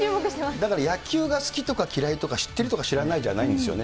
だから野球が好きとか嫌いとか、知ってるとか知らないじゃないんですよね。